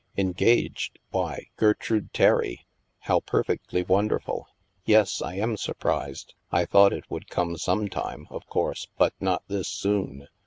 " Engaged ! Why, Gertrude Terry ! How per fectly wonderful ! Yes, I am surprised. I thought it would come some time, of course, but not this soon.